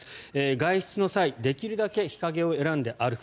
外出の際できるだけ日陰を選んで歩く